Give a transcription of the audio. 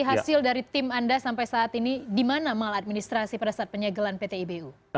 hasil dari tim anda sampai saat ini di mana maladministrasi pada saat penyegelan pt ibu